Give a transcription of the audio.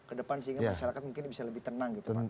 ke depan sehingga masyarakat mungkin bisa lebih tenang gitu pak